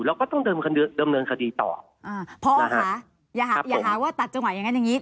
เราก็ต้องเดินดำเนินคดีต่ออ่าพ่อค่ะอย่าหาอย่าหาว่าตัดจังหวะอย่างงั้นอย่างงี้